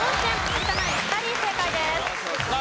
有田ナイン２人正解です。